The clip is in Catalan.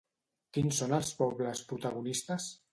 Quins són els pobles protagonistes?